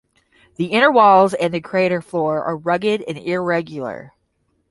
The inner walls and the crater floor are rugged and irregular.